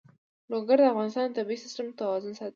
لوگر د افغانستان د طبعي سیسټم توازن ساتي.